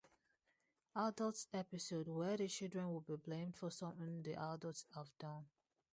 Adults episode, where the children would be blamed for something the adults have done.